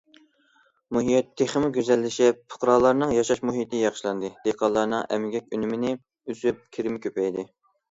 مۇھىت تېخىمۇ گۈزەللىشىپ، پۇقرالارنىڭ ياشاش مۇھىتى ياخشىلاندى، دېھقانلارنىڭ ئەمگەك ئۈنۈمىنى ئۆسۈپ، كىرىمى كۆپەيدى.